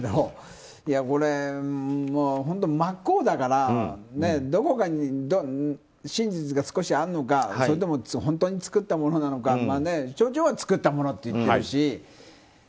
これ、本当に真っ向だからどこかに真実が少しあるのかそれとも本当に作ったものなのか町長は作ったものって言ってるし。